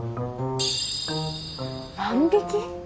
万引き？